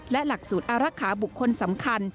และหลักสูตรอารักษาบุคคลสำคัญ